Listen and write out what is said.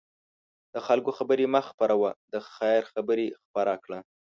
د خلکو خبرې مه خپره وه، د خیر خبرې خپره کړه.